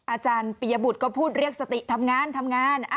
อาจารย์ปียบุตรก็พูดเรียกสติทำงานทำงาน